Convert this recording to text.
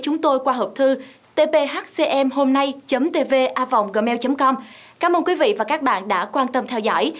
chúng tôi qua hộp thư tphcmhomnay tvavonggmail com cảm ơn quý vị và các bạn đã quan tâm theo dõi